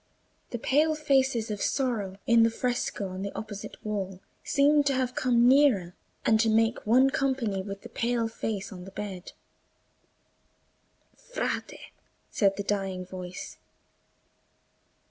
The pale faces of sorrow in the fresco on the opposite wall seemed to have come nearer, and to make one company with the pale face on the bed. "Frate," said the dying voice.